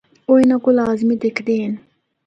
او اِنّاں کو لازی دِکھدے ہن۔